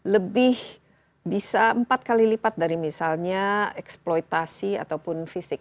lebih bisa empat kali lipat dari misalnya eksploitasi ataupun fisik